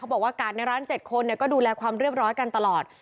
บอกว่ากาดในร้าน๗คนก็ดูแลความเรียบร้อยกันตลอด